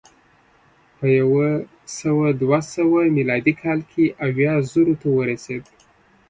په یو سوه دوه سوه میلادي کال کې اویا زرو ته ورسېد